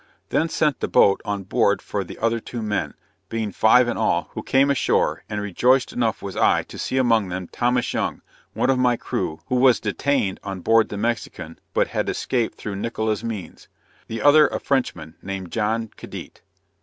Then sent the boat on board for the other two men, being five in all; who came ashore, and rejoiced enough was I to see among them Thomas Young, one of my crew, who was detained on board the Mexican, but had escaped through Nickola's means; the other a Frenchman, named John Cadedt.